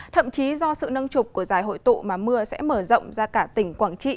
thậm chí do sự nâng trục của giải hội tụ mà mưa sẽ mở rộng ra cả tỉnh quảng trị